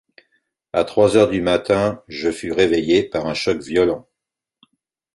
À trois heures du matin, je fus réveillé par un choc violent.